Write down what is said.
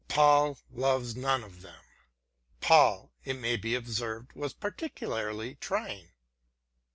Poll loves none of them.* Poll, it may be observed, was particularly trying.